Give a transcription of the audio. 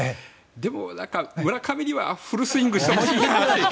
でも、村上にはフルスイングしてほしいかなと。